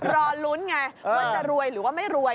รอลุ้นไงว่าจะรวยหรือว่าไม่รวย